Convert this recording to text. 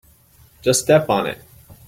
Just step on it.